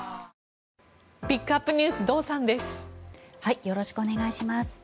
よろしくお願いします。